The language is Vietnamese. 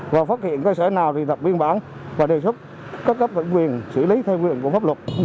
và phát hiện cơ sở nào thì thật biên bản và đề xuất các cấp vận quyền xử lý theo quyền của pháp luật